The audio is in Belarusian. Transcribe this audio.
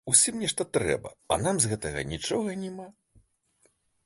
Усім нешта трэба, а нам з гэтага нічога няма.